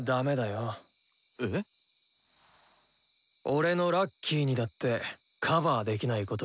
俺のラッキーにだってカバーできないことはあるもの。